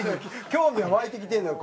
興味は湧いてきてるのよ